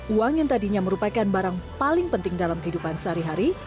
uang yang tadinya merupakan barang paling penting dalam kehidupan sehari hari